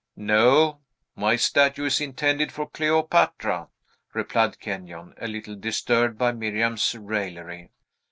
"No; my statue is intended for Cleopatra," replied Kenyon, a little disturbed by Miriam's raillery.